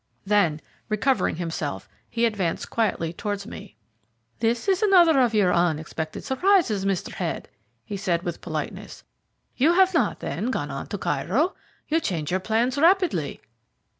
Then, recovering himself, he advanced quietly towards me. "This is another of your unexpected surprises, Mr. Head," he said with politeness. "You have not, then, gone on to Cairo? You change your plans rapidly."